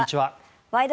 「ワイド！